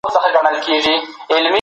کوم تنفسي تخنیکونه د اضطراب مخه نیسي؟